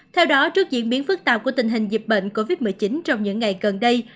theo đó trước diễn biến phức tạp của tình hình dịch bệnh covid một mươi chín trong những ngày gần đây